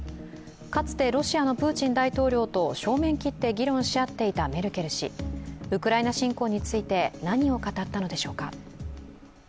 かつてロシアのプーチン大統領と正面切って議論し合っていたメルケル氏ウクライナ侵攻について何を語ったのでしょうか。